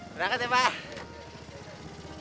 berangkat ya pak